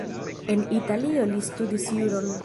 En Italio li studis juron.